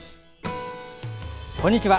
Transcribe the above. こんにちは。